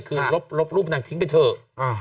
คือลบรูปนางทิ้งไปเถอะ